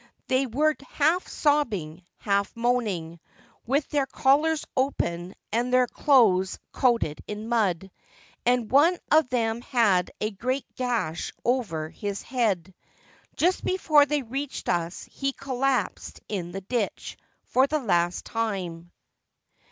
They were half sobbing, half moaning, with their collars open and their clothes coated in mud. And one of them had a great gash over his head. Just before they reached us he collapsed in the ditch — for the last time.